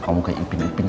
kamu kayak impin impin saja